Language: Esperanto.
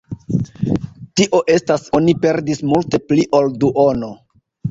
Tio estas oni perdis multe pli ol duono.